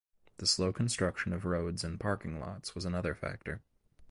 The slow construction of roads and parking lots was another factor.